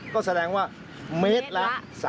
ก็แสดงว่าเมตรละ๓๕๐๐๐๐๐